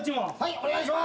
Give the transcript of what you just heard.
お願いします。